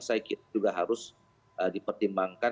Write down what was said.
saya kira juga harus dipertimbangkan